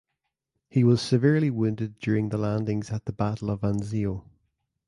He was severely wounded during the landings at the Battle of Anzio.